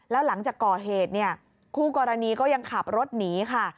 แล้วหลังจากก่อเหตุเนี่ยคู่กรณีก็ยังขับรถหนีค่ะ